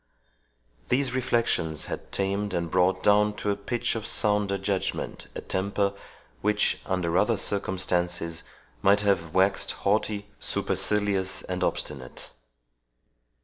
These reflections had tamed and brought down to a pitch of sounder judgment a temper, which, under other circumstances, might have waxed haughty, supercilious, and obstinate.